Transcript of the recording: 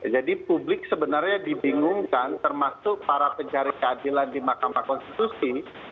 jadi publik sebenarnya dibingungkan termasuk para pencari keadilan di mahkamah konstitusi